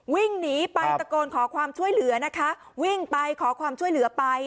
วิ่งหนีไปตะโกนขอความช่วยเหลือนะคะวิ่งไปขอความช่วยเหลือไป